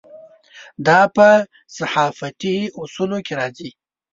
دا په صحافتي اصولو کې راځي.